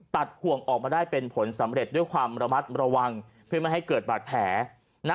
ห่วงออกมาได้เป็นผลสำเร็จด้วยความระมัดระวังเพื่อไม่ให้เกิดบาดแผลนะ